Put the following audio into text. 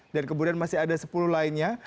dan kemudian masih ada sepuluh lainnya